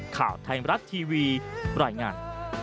ข่าวไทยมรัฐทีวีรายงาน